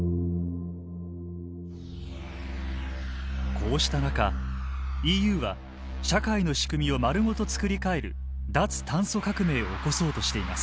こうした中ＥＵは社会の仕組みを丸ごと作り替える脱炭素革命を起こそうとしています。